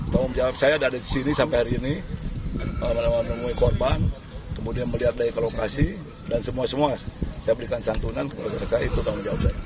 tanggung jawab saya ada disini sampai hari ini menemui korban kemudian melihat dari lokasi dan semua semua saya berikan santunan itu tanggung jawab saya